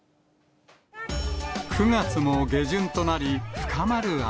９月も下旬となり、深まる秋。